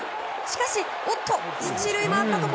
しかし、おっと。